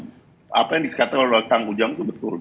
dalam arti bahwa apa yang dikatakan oleh pak tang ujang itu betul